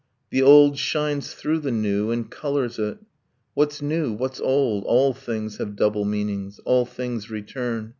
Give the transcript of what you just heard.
The old shines through the new, and colors it. What's new? What's old? All things have double meanings, All things return.